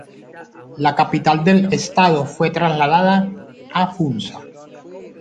La capital del Estado fue trasladada a Funza.